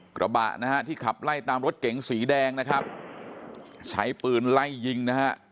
กระบะนะฮะที่ขับไล่ตามรถเก๋งสีแดงนะครับใช้ปืนไล่ยิงนะฮะ